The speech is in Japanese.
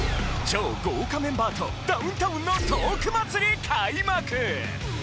超豪華メンバーとダウンタウンのトーク祭り開幕！